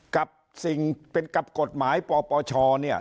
กับสิ่งเป็นกับกฎหมายปปชเนี่ย